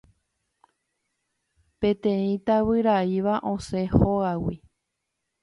Peteĩ tavyraíva osẽmi hógagui.